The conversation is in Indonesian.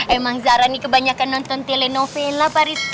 emang zara nih kebanyakan nonton telenovela pak rizky